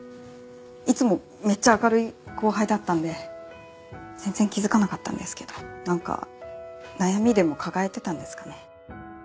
いつもめっちゃ明るい後輩だったんで全然気づかなかったんですけどなんか悩みでも抱えてたんですかね。